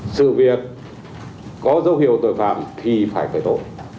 sự việc có dấu hiệu tội phạm thì phải khởi tố